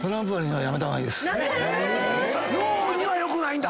脳には良くないんだ？